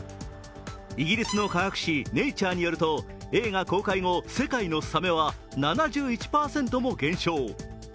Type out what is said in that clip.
イギリスの科学誌「ネイチャー」によると映画公開後、世界のサメは７１％も減少。